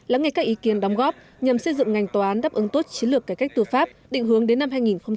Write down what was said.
lắng nghe các ý kiến đóng góp nhằm xây dựng ngành tòa án đáp ứng tốt chiến lược cải cách tư pháp định hướng đến năm hai nghìn ba mươi